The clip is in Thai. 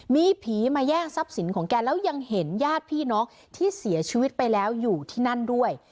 มีผีมาแย่งทรัพย์สินของแกแล้วยังเห็นญาติพี่น้องที่เสียชีวิตไปแล้วอยู่ที่นั่นด้วย